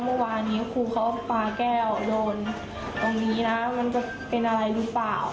เมื่อวานนี้ครูเขาปลาแก้วโดนตรงนี้นะมันจะเป็นอะไรหรือเปล่า